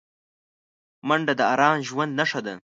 منډه د ارام ژوند نښه ده